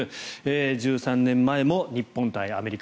１３年前も日本対アメリカ